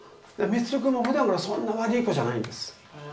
ミツル君もふだんからそんな悪い子じゃないんです。